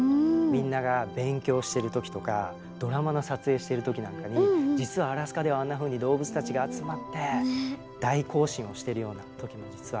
みんなが勉強してる時とかドラマの撮影してる時なんかに実はアラスカではあんなふうに動物たちが集まって大行進をしてるような時も実はあるのかもね。